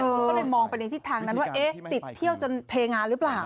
คุณก็เลยมองไปในทิศทางนั้นว่าเอ๊ะติดเที่ยวจนเทงานหรือเปล่า